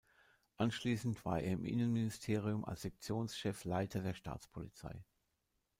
Anschließend war er im Innenministerium als Sektionschef Leiter der Staatspolizei.